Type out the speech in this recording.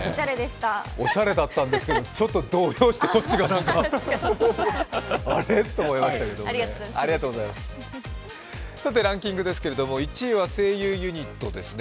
おしゃれだったんですけど、ちょっと動揺して、あれっ？てなりましたランキングですけれども、１位は声優ユニットですね。